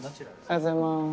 おはようございます。